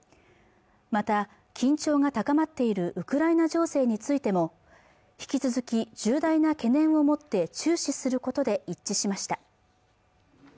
また緊張が高まっているウクライナ情勢についても引き続き重大な懸念を持って注視することで一致しました